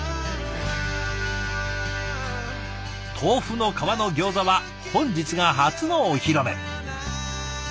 豆腐の皮のギョーザは本日が初のお披露目。